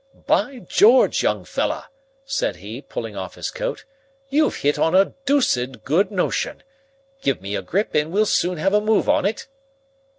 "By George, young fellah!" said he, pulling off his coat. "You've hit on a dooced good notion. Give me a grip and we'll soon have a move on it."